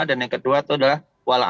dan yang kedua itu adalah wala'at